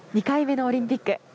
２回目のオリンピック